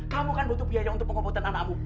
kamu kan butuh biaya untuk pengobatan anakmu